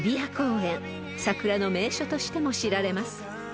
［桜の名所としても知られます］